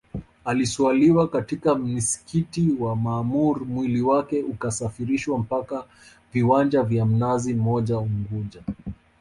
Aliswaliwa katika msikiti wa maamur mwili wake ukasafirishwa mpaka viwanja vya mnazi mmoja unguja